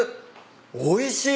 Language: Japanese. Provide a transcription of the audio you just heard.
おいしい。